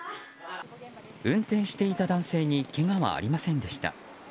運転していた男性にけがはありませんでした。